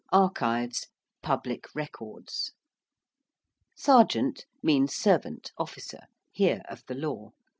~archives~: public records. ~sergeant~ means 'servant,' 'officer' here of the law.